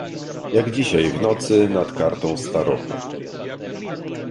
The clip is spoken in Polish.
"jak dzisiaj w nocy nad kartą z taroka."